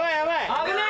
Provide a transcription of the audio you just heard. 危ない。